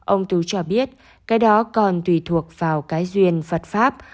ông tú cho biết cái đó còn tùy thuộc vào cái duyên phật pháp